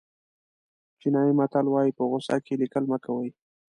چینایي متل وایي په غوسه کې لیکل مه کوئ.